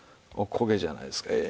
おこげじゃないですか。